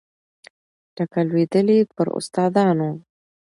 ټکه لوېدلې پر استادانو